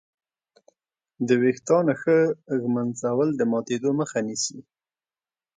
د وېښتانو ښه ږمنځول د ماتېدو مخه نیسي.